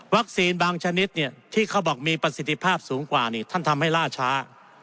บางชนิดที่เขาบอกมีประสิทธิภาพสูงกว่าท่านทำให้ล่าช้า